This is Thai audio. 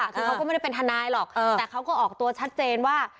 คือเขาก็ไม่ได้เป็นทนายหรอกแต่เขาก็ออกตัวชัดเจนว่า